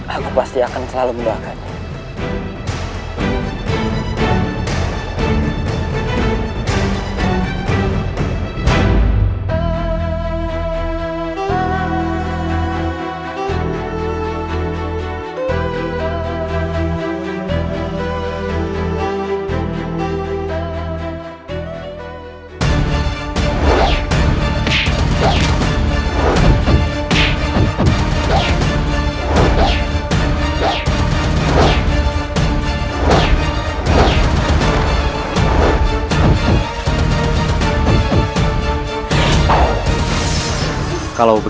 aku pasti akan selalu mendakannya